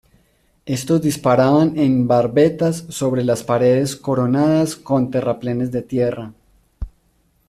Estos disparaban en barbetas sobre las paredes coronadas con terraplenes de tierra.